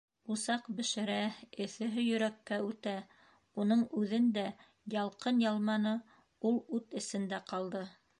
Усаҡ бешерә, эҫеһе йөрәккә үтә, уның үҙен дә ялҡын ялманы, ул ут эсендә ҡалды!